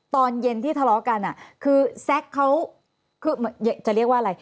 ตอนเย็นที่ทะเลาะกันคือแซ็กเขาคือจะเรียกว่าอะไร